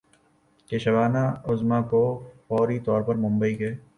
کہ شبانہ اعظمی کو فوری طور پر ممبئی کے